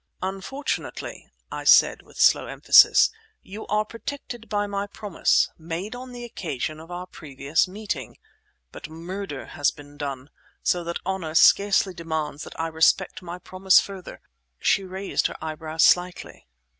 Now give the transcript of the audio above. "Unfortunately," I said, with slow emphasis, "you are protected by my promise, made on the occasion of our previous meeting. But murder has been done, so that honour scarcely demands that I respect my promise further—" She raised her eyebrows slightly.